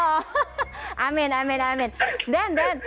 oh amin amin amin dan dan